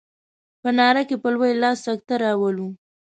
په ناره کې په لوی لاس سکته راولو.